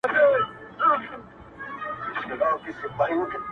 ځکه پاته جاویدانه افسانه سوم,